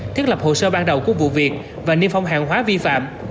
thiết lập hồ sơ ban đầu của vụ việc và niêm phong hàng hóa vi phạm